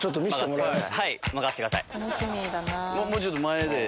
もうちょっと前で。